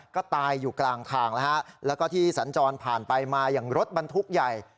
ก็ตายอยู่กลางทางแล้วก็ที่สัญจรผ่านไปมาอย่างรถบรรทุกใหญ่